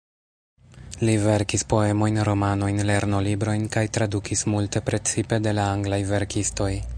Li verkis poemojn, romanojn, lernolibrojn kaj tradukis multe, precipe de la anglaj verkistoj.